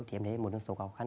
thì em thấy một số khó khăn